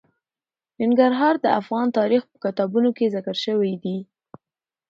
ننګرهار د افغان تاریخ په کتابونو کې ذکر شوی دي.